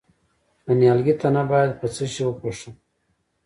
د نیالګي تنه باید په څه شي وپوښم؟